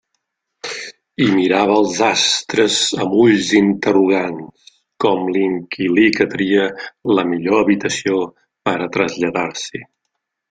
I mirava als astres amb ulls interrogants, com l'inquilí que tria la millor habitació per a traslladar-s'hi.